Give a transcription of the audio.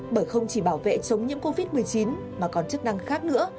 bởi không chỉ bảo vệ chống nhiễm covid một mươi chín mà còn chức năng khác nữa